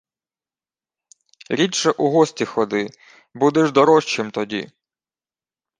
Рідше у гості ходи – будеш дорожчим тоді.